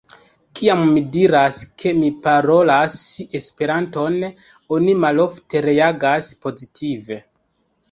Kiam mi diras, ke mi parolas Esperanton, oni malofte reagas pozitive.